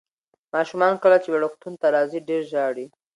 ماشومان کله چې وړکتون ته راځي ډېر ژاړي.